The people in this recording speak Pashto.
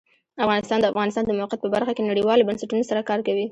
افغانستان د د افغانستان د موقعیت په برخه کې نړیوالو بنسټونو سره کار کوي.